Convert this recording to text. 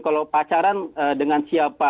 kalau pacaran dengan siapa